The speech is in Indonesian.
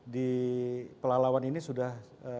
di pelawan ini sudah